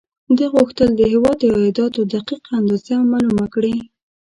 ده غوښتل د هېواد د عایداتو دقیق اندازه معلومه کړي.